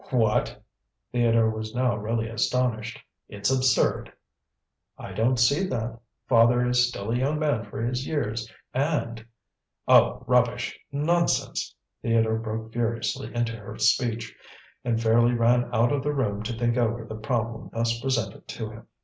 "What!" Theodore was now really astonished. "It's absurd!" "I don't see that. Father is still a young man for his years, and " "Oh, rubbish; nonsense!" Theodore broke furiously into her speech, and fairly ran out of the room to think over the problem thus presented to him.